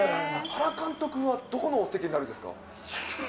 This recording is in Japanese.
原監督はどこのお席になるんですか？